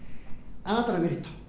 あなたのメリット